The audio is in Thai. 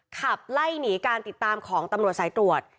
ขับไล่หนีการติดตามของตำรวจสายตรวจ